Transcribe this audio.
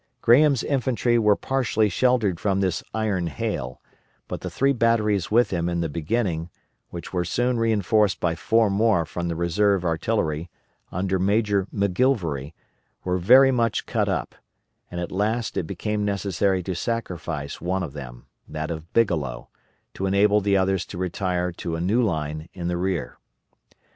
Graham's infantry were partially sheltered from this iron hail, but the three batteries with him in the beginning, which were soon reinforced by four more from the reserve artillery, under Major McGilvery, were very much cut up; and at last it became necessary to sacrifice one of them that of Bigelow to enable the others to retire to a new line in the rear.